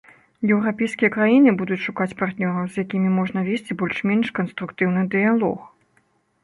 Еўрапейскія краіны будуць шукаць партнёраў, з якімі можна весці больш-менш канструктыўны дыялог.